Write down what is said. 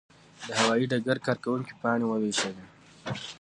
د هوايي ډګر کارکوونکي پاڼې وویشلې.